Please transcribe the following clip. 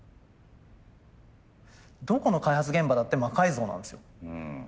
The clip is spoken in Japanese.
どこの開発現場だって魔改造なんですよ。